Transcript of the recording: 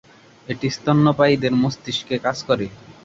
এটি স্তন্যপায়ীদের মস্তিষ্কে কাজ করে।